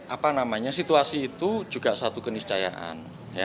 apa namanya situasi itu juga satu keniscayaan